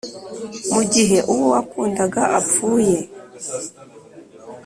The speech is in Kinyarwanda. Mu Gihe Uwo Wakundaga Apfuye